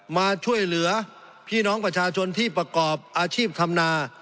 มาช่วยเหลือพี่น้องประชาชนที่ประกอบอาชีพธรรมนา